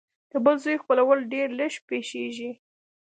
د بل زوی خپلول ډېر لږ پېښېږي